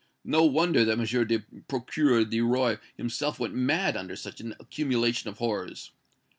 No wonder that M. le Procureur du Roi himself went mad under such an accumulation of horrors!